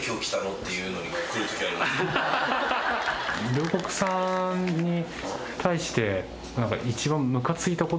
両國さんに対して。